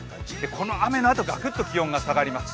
この雨のあとガクッと気温が下がります。